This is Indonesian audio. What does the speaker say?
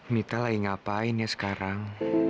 mita lagi ngapain ya sekarang